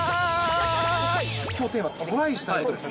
きょうテーマ、トライしたいことです。